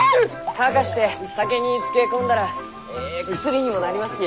乾かして酒に漬け込んだらえい薬にもなりますき。